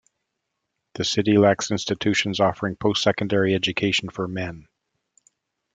The city lacks institutions offering post secondary education for men.